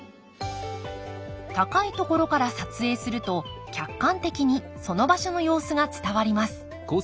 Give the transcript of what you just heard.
高い所から撮影すると客観的にその場所の様子が伝わります。